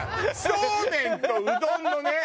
そうめんとうどんのね